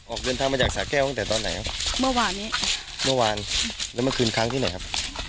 ออกเวียนทางมาจากสาแก้วตั้งแต่ตอนไหนเมื่อวานเมื่อวานแล้วมันคืนค้างที่ไหนครับ